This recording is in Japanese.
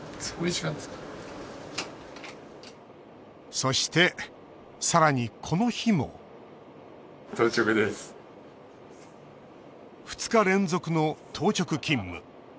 そして、さらに、この日も２日連続の当直勤務。